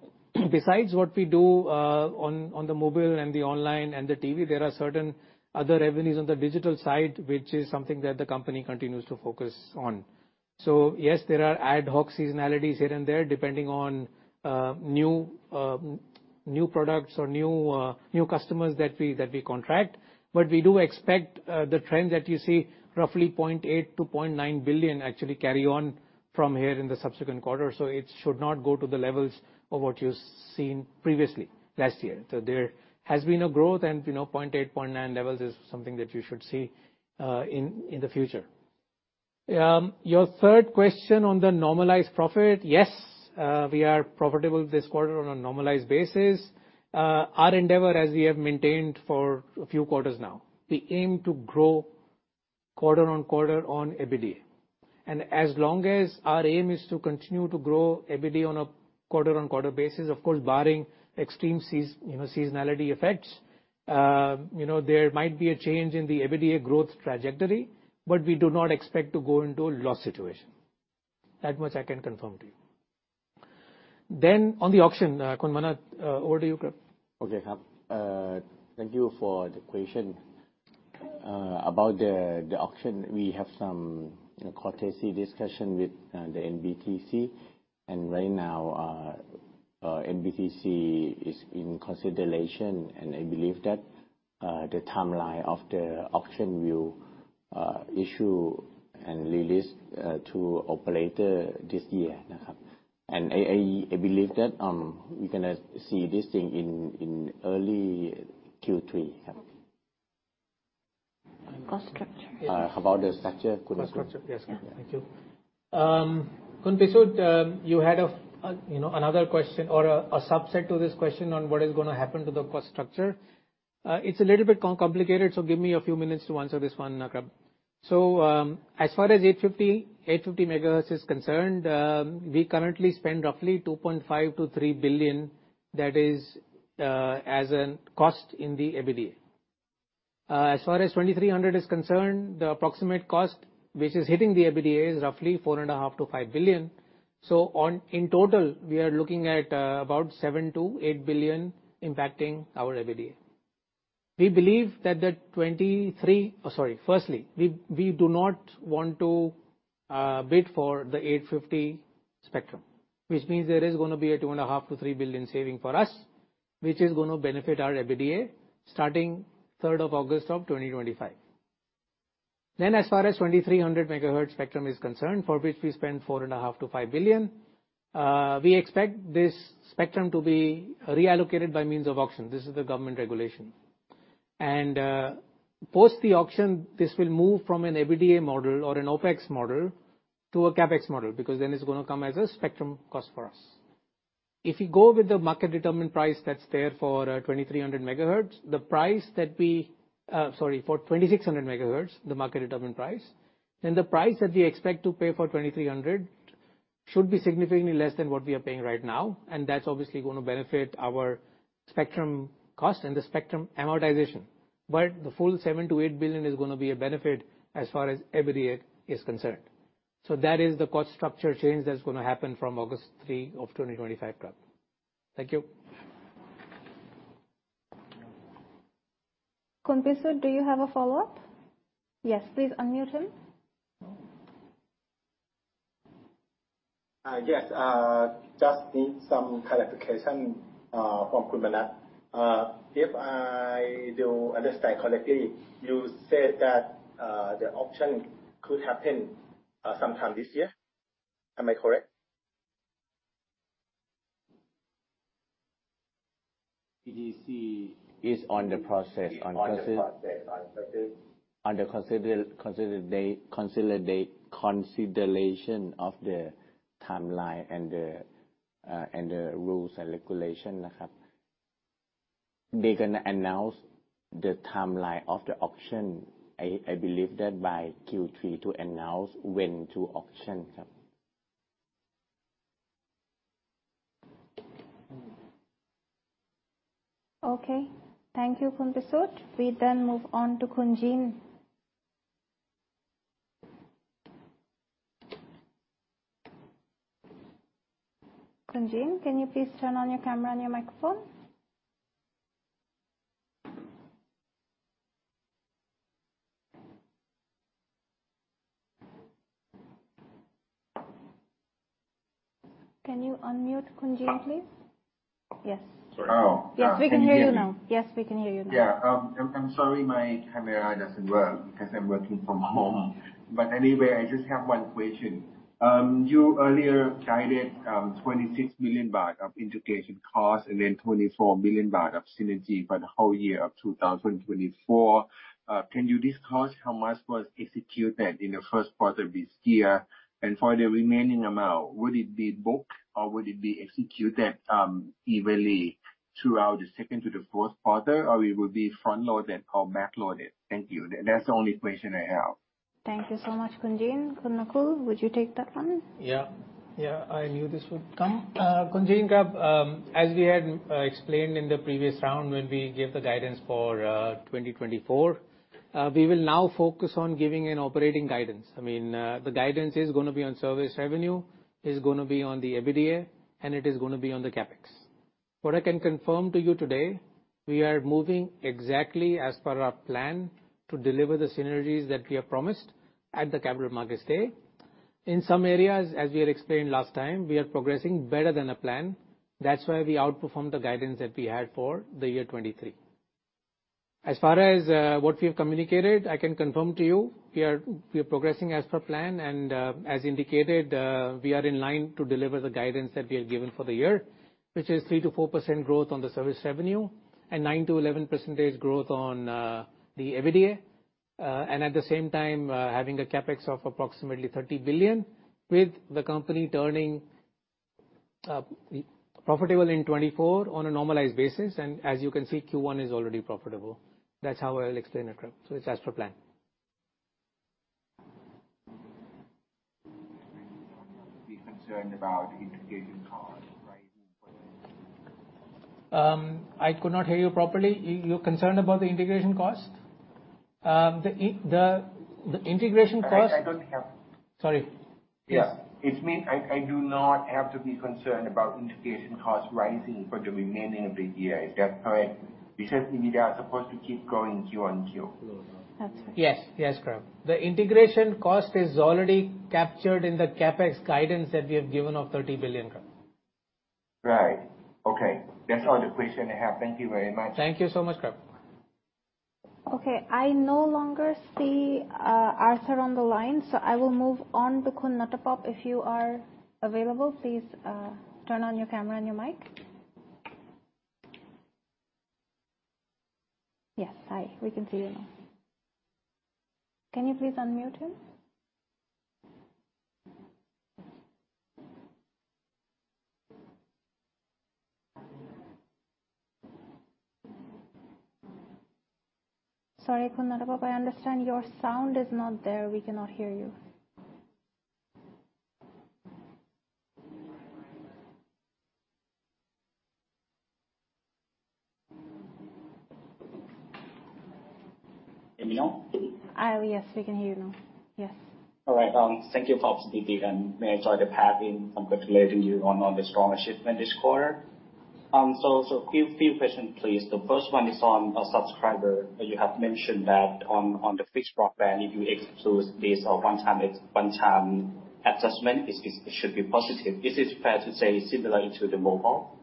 Speaker 3: besides what we do, on, on the mobile and the online and the TV, there are certain other revenues on the digital side, which is something that the company continues to focus on. So yes, there are ad hoc seasonalities here and there, depending on new, new products or new, new customers that we, that we contract. But we do expect the trend that you see, roughly 0.8 billion-0.9 billion, actually carry on from here in the subsequent quarter. So it should not go to the levels of what you've seen previously, last year. So there has been a growth, and, you know, 0.8 billion-0.9 billion levels is something that you should see in the future. Your third question on the normalized profit, yes, we are profitable this quarter on a normalized basis. Our endeavor, as we have maintained for a few quarters now, we aim to grow quarter-on-quarter on EBITDA. As long as our aim is to continue to grow EBITDA on a quarter-over-quarter basis, of course, barring extreme seasonality effects, you know, there might be a change in the EBITDA growth trajectory, but we do not expect to go into a loss situation. That much I can confirm to you. Then on the auction, Khun Manat, over to you.
Speaker 2: Okay, thank you for the question. About the auction, we have some courtesy discussion with the NBTC, and right now, NBTC is in consideration, and I believe that the timeline of the auction will issue and release to operator this year. I believe that we're gonna see this thing in early Q3....
Speaker 1: cost structure.
Speaker 2: About the structure, cost structure.
Speaker 3: Cost structure. Yes, thank you. Khun Pisut, you had a, you know, another question or a subset to this question on what is going to happen to the cost structure. It's a little bit complicated, so give me a few minutes to answer this one, Nakul. As far as 850 MHz is concerned, we currently spend roughly 2.5 billion-3 billion. That is, as in cost in the EBITDA. As far as 2,300 MHz is concerned, the approximate cost, which is hitting the EBITDA, is roughly 4.5 billion-5 billion. In total, we are looking at about 7 billion-8 billion impacting our EBITDA. We believe that the 2,300 MHz. Oh, sorry. Firstly, we do not want to bid for the 850 MHz spectrum, which means there is going to be a 2.5 billion-3 billion saving for us, which is going to benefit our EBITDA starting third of August of 2025. Then, as far as 2,300 MHz spectrum is concerned, for which we spend 4.5 billion-5 billion, we expect this spectrum to be reallocated by means of auction. This is the government regulation. Post the auction, this will move from an EBITDA model or an OpEx model to a CapEx model, because then it's going to come as a spectrum cost for us. If you go with the market-determined price that's there for 2,300 MHz, the price that we... Sorry, for 2,600 MHz, the market-determined price, then the price that we expect to pay for 2,300 MHz should be significantly less than what we are paying right now, and that's obviously going to benefit our spectrum cost and the spectrum amortization. But the full 7 billion-8 billion is going to be a benefit as far as EBITDA is concerned. So that is the cost structure change that's going to happen from August 3, 2025, CapEx. Thank you.
Speaker 4: Khun Pisut, do you have a follow-up? Yes, please unmute him.
Speaker 8: Yes. Just need some clarification from Khun Manat. If I do understand correctly, you said that the auction could happen sometime this year. Am I correct?
Speaker 2: NBTC is on the process under consideration of the timeline and the rules and regulation, Okay. They're gonna announce the timeline of the auction. I believe that by Q3 to announce when to auction, Okay.
Speaker 1: Okay. Thank you, Khun Pisut. We then move on to Khun Gene. Khun Gene, can you please turn on your camera and your microphone? Can you unmute, Khun Gene, please? Yes.
Speaker 9: Sorry.
Speaker 1: Yes, we can hear you now. Yes, we can hear you now.
Speaker 9: Yeah. I'm, I'm sorry my camera doesn't work because I'm working from home. But anyway, I just have one question. You earlier guided 26 million baht of integration costs and then 24 million baht of synergy for the whole year of 2024. Can you discuss how much was executed in the first quarter of this year? And for the remaining amount, would it be booked, or would it be executed evenly throughout the second to the fourth quarter, or it would be front-loaded or backloaded? Thank you. That's the only question I have.
Speaker 1: Thank you so much, Khun Gene. Khun Nakul, would you take that one?
Speaker 3: Yeah. Yeah, I knew this would come. Khun Gene, krap, as we had explained in the previous round when we gave the guidance for 2024, we will now focus on giving an operating guidance. I mean, the guidance is going to be on service revenue, is going to be on the EBITDA, and it is going to be on the CapEx. What I can confirm to you today, we are moving exactly as per our plan to deliver the synergies that we have promised at the Capital Markets Day. In some areas, as we had explained last time, we are progressing better than the plan. That's why we outperformed the guidance that we had for the year 2023. As far as what we have communicated, I can confirm to you, we are, we are progressing as per plan. As indicated, we are in line to deliver the guidance that we have given for the year, which is 3%-4% growth on the service revenue and 9%-11% growth on the EBITDA. At the same time, having a CapEx of approximately 30 billion, with the company turning profitable in 2024 on a normalized basis. As you can see, Q1 is already profitable. That's how I will explain it, kap. It's as per plan.
Speaker 9: Be concerned about integration costs, right?
Speaker 3: I could not hear you properly. You, you're concerned about the integration cost? The integration cost-
Speaker 9: I don't have-
Speaker 3: Sorry. Yes.
Speaker 9: Yeah. It means I, I do not have to be concerned about integration costs rising for the remaining of the year. Is that correct? Because EBITDA are supposed to keep growing Q-on-Q.
Speaker 1: That's right.
Speaker 3: Yes, yes, Kap. The integration cost is already captured in the CapEx guidance that we have given of 30 billion, Kap.
Speaker 9: Right. Okay. That's all the question I have. Thank you very much.
Speaker 3: Thank you so much, Kap.
Speaker 1: Okay, I no longer see Arthur on the line, so I will move on to Khun Nuttapop. If you are available, please turn on your camera and your mic. Yes, hi. We can see you now. Can you please unmute him? Sorry, Khun Nuttapop, I understand your sound is not there. We cannot hear you.
Speaker 10: Can you now?
Speaker 1: Yes, we can hear you now. Yes.
Speaker 10: All right, thank you for the opportunity, and may I start by having congratulating you on the strong achievement this quarter. So a few questions, please. The first one is on a subscriber. You have mentioned that on the Fixed Broadband, if you exclude this one-time adjustment, it should be positive. Is it fair to say similarly to the mobile?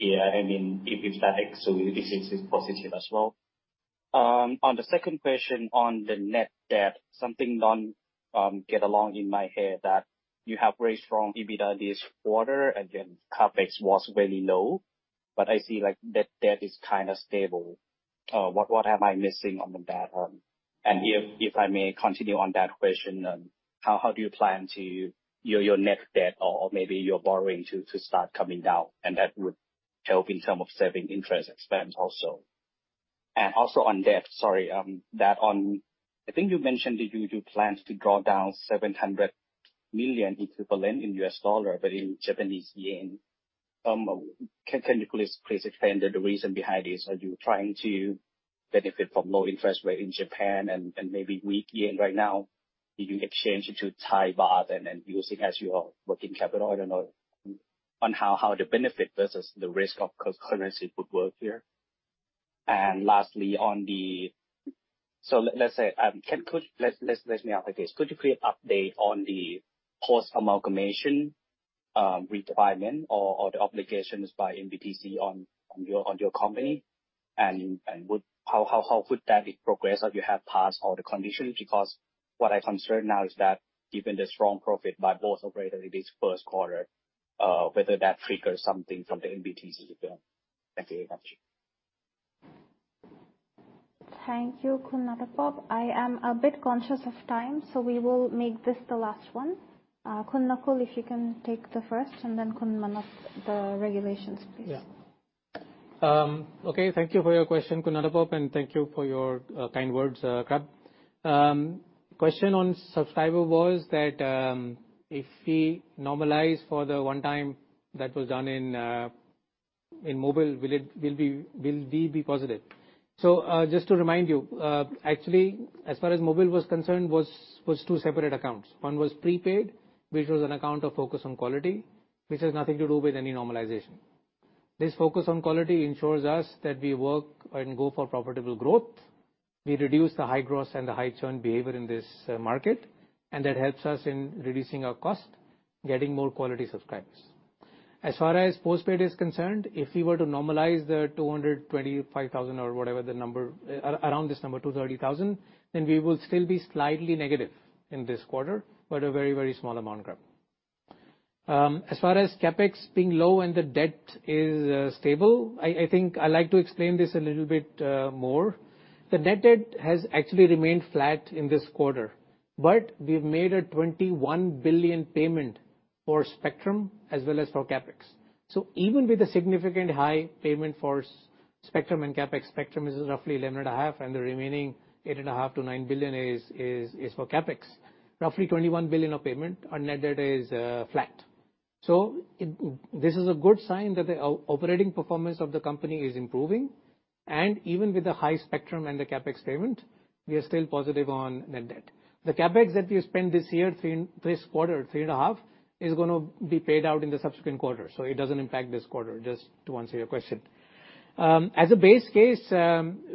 Speaker 10: Yeah, I mean, if it's that, so this is positive as well. On the second question on the Net Debt, something don't get along in my head, that you have very strong EBITDA this quarter, and then CapEx was very low, but I see, like, Net Debt is kind of stable. What am I missing on the debt? And if I may continue on that question, how do you plan to your net debt or maybe your borrowing to start coming down? And that would help in term of saving interest expense also. And also on debt, sorry, that on... I think you mentioned that you planned to draw down $700 million equivalent in U.S. dollars, but in Japanese yen. Can you please explain the reason behind this? Are you trying to benefit from low interest rate in Japan and maybe weak yen right now? You exchange it to Thai baht and then use it as your working capital? I don't know on how the benefit versus the risk of cross-currency would work here. And lastly, on the— So let's say, can, could... Let's, let me ask like this. Could you please update on the post-amalgamation requirement or the obligations by NBTC on your company? And how could that be progress that you have passed all the conditions? Because what I'm concerned now is that given the strong profit by both operator in this first quarter, whether that trigger something from the NBTC. Thank you very much.
Speaker 1: Thank you, Khun Nuttapop. I am a bit conscious of time, so we will make this the last one. Khun Nakul, if you can take the first, and then Khun Manat, the regulations, please.
Speaker 3: Yeah. Okay, thank you for your question, Khun Nuttapop, and thank you for your kind words, Khun. Question on subscriber was that, if we normalize for the one time that was done in mobile, will we be positive? So, just to remind you, actually, as far as mobile was concerned, was two separate accounts. One was prepaid, which was an account of focus on quality, which has nothing to do with any normalization. This focus on quality ensures us that we work and go for profitable growth. We reduce the high gross and the high churn behavior in this market, and that helps us in reducing our cost, getting more quality subscribers. As far as postpaid is concerned, if we were to normalize the 225,000 or whatever the number, around this number, 230,000, then we will still be slightly negative in this quarter, but a very, very small amount, Khun. As far as CapEx being low and the debt is stable, I think I'd like to explain this a little bit, more. The net debt has actually remained flat in this quarter, but we've made a 21 billion payment for spectrum as well as for CapEx. So even with the significant high payment for spectrum and CapEx, spectrum is roughly 11.5 billion, and the remaining 8.5 billion-9 billion is for CapEx. Roughly 21 billion of payment, net debt is flat. This is a good sign that the operating performance of the company is improving, and even with the high spectrum and the CapEx payment, we are still positive on net debt. The CapEx that we spent this year, 3 billion, this quarter, 3.5 billion, is gonna be paid out in the subsequent quarter, so it doesn't impact this quarter, just to answer your question. As a base case,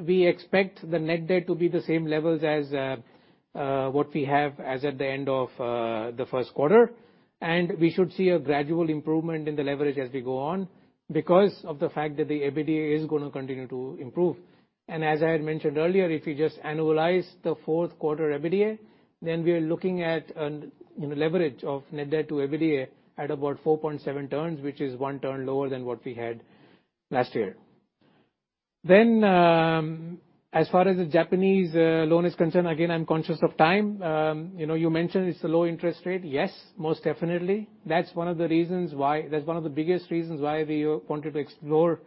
Speaker 3: we expect the net debt to be the same levels as what we have as at the end of the first quarter. And we should see a gradual improvement in the leverage as we go on, because of the fact that the EBITDA is gonna continue to improve. As I had mentioned earlier, if you just annualize the fourth quarter EBITDA, then we are looking at an, you know, leverage of net debt to EBITDA at about 4.7x, which is one turn lower than what we had last year. As far as the Japanese loan is concerned, again, I'm conscious of time. You know, you mentioned it's a low interest rate. Yes, most definitely. That's one of the reasons why... That's one of the biggest reasons why we wanted to explore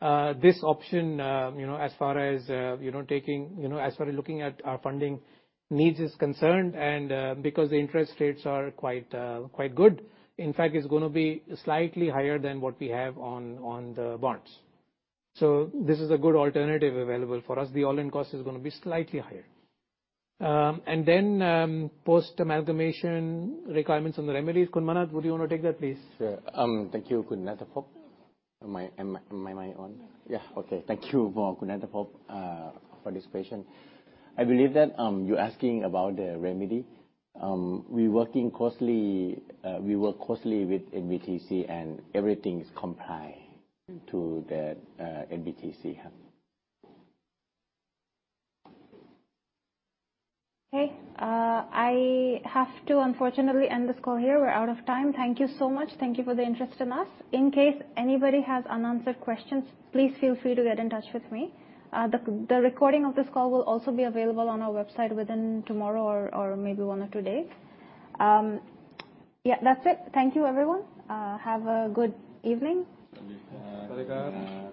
Speaker 3: this option, you know, as far as looking at our funding needs is concerned and because the interest rates are quite quite good. In fact, it's gonna be slightly higher than what we have on the bonds. So this is a good alternative available for us. The all-in cost is gonna be slightly higher. And then, post-amalgamation requirements on the remedies, Khun Manat, would you want to take that, please?
Speaker 2: Sure. Thank you, Khun Nuttapop. Is my mic on? Yeah. Okay. Thank you for Khun Nuttapop, for this question. I believe that, you're asking about the remedy. We working closely, we work closely with NBTC, and everything is comply to the NBTC, huh.
Speaker 1: Okay, I have to unfortunately end this call here. We're out of time. Thank you so much. Thank you for the interest in us. In case anybody has unanswered questions, please feel free to get in touch with me. The recording of this call will also be available on our website within tomorrow or maybe one or two days. Yeah, that's it. Thank you, everyone. Have a good evening.
Speaker 2: Salut. Salut, guys.